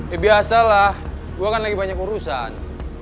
ya biasalah gue kan lagi banyak urusan